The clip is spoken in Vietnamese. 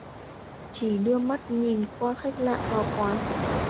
Chỉ đưa mắt nhìn qua khách lạ vào quán